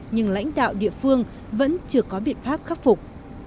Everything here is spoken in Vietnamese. nhưng lãnh đạo địa phương vẫn chưa có biện pháp khắc phục